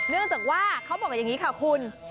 เนื่องจากว่าเขาบอกอย่างนี้ค่ะคุณ